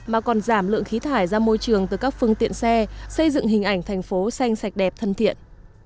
mà còn giảm lượng khí thải ra môi trường từ các phương tiện xe xây dựng hình ảnh thành phố xanh sạch đẹp thân thiện